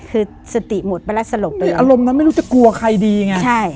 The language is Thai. คือสติหมดไปแล้วสลบไปเลยอารมณ์นั้นไม่รู้จะกลัวใครดีไงใช่